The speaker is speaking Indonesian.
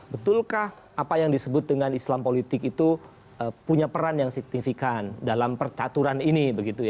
betulkah apa yang disebut dengan islam politik itu punya peran yang signifikan dalam percaturan ini